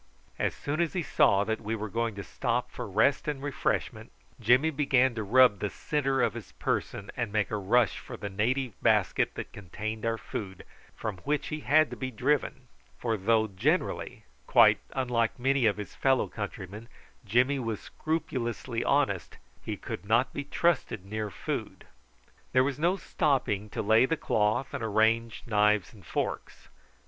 As soon as he saw that we were going to stop for rest and refreshment, Jimmy began to rub the centre of his person and make a rush for the native basket that contained our food, from which he had to be driven; for though generally, quite unlike many of his fellow countrymen, Jimmy was scrupulously honest, he could not be trusted near food. There was no stopping to lay the cloth and arrange knives and forks.